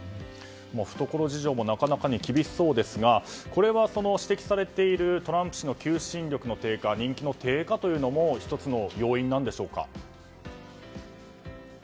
懐事情もなかなかに厳しそうですがこれは、指摘されているトランプ氏の求心力の低下人気の低下というのも１つの要因なのでしょうか。